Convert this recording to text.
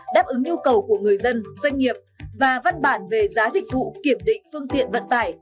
đáp ứng nhu cầu của người dân doanh nghiệp và văn bản về giá dịch vụ kiểm định phương tiện vận tải